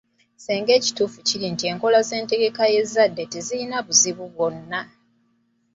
Ssenga ekituufu kiri nti enkola ez’entegeka y’ezzadde tezirina buzibu bwonna.